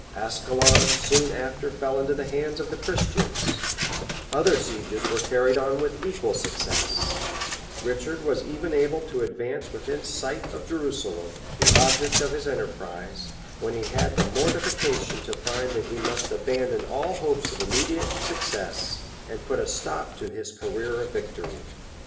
[*] Ascalon soon after fell into the hands of the Christians: other sieges were carried on with equal success; Richard was even able to advance within sight of Jerusalem, the object of his enterprise; when he had the mortification to find that he must abandon all hopes of immediate success, and must put a stop to his career of victory.